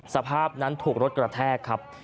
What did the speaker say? สภาพนั้นถูกรถกระแทกครับ